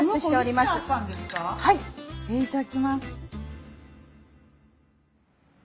えっいただきます。